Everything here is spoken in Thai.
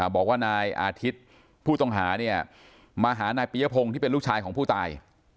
บอกว่านายอาทิตย์ผู้ต้องหาเนี่ยมาหานายปียพงศ์ที่เป็นลูกชายของผู้ตาย